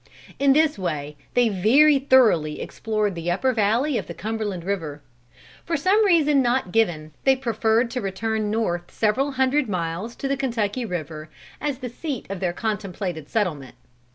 In this way, they very thoroughly explored the upper valley of the Cumberland river. For some reason not given, they preferred to return north several hundred miles to the Kentucky river, as the seat of their contemplated settlement.